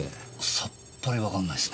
さっぱりわかんないっすね。